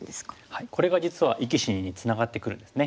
はいこれが実は生き死につながってくるんですね。